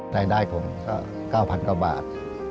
รายได้ผมก็๙๐๐๐บาท